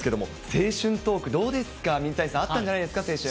青春トーク、どうですか、水谷さん、あったんじゃないですか、青春。